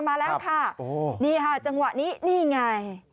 มาแล้วค่ะนี่ค่ะจังหวะนี้นี่ไง